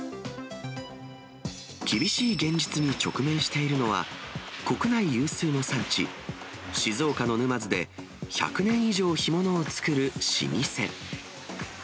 厳しい現実に直面しているのは、国内有数の産地、静岡の沼津で１００年以上干物を作る老舗。